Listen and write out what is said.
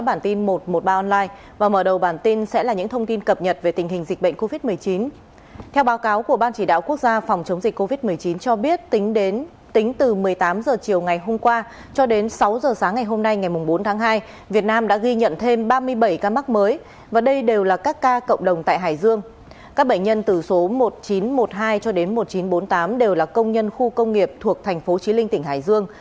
các bệnh nhân từ số một nghìn chín trăm một mươi hai cho đến một nghìn chín trăm bốn mươi tám đều là công nhân khu công nghiệp thuộc thành phố chí linh tỉnh hải dương